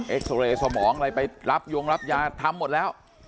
ซอเรย์สมองอะไรไปรับยงรับยาทำหมดแล้ว